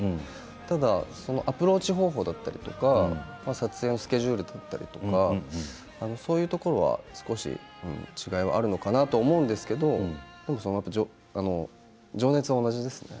ただアプローチ方法だったり撮影のスケジュールだったりそういうところは少し違いはあるのかなと思うんですけど情熱は同じですね。